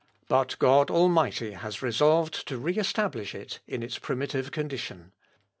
But God Almighty has resolved to re establish it in its primitive condition.